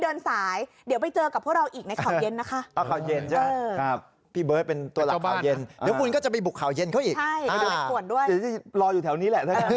เดินสายเดี๋ยวไปเจอกับเราอีกนะเชิงนะคะไม่ว่าจะเอาอยู่ด้วยอยู่แถวนี้